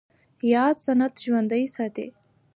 ياد سنت ژوندی ساتي